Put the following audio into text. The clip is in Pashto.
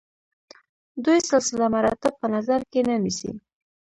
دوی سلسله مراتب په نظر کې نه نیسي.